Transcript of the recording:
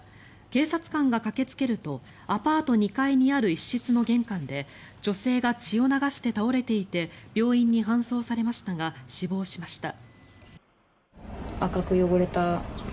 警察官が駆けつけるとアパート２階にある一室の玄関で女性が血を流して倒れていて病院に搬送されましたが死亡しました。